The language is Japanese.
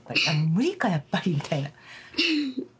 「無理かやっぱり」みたいな。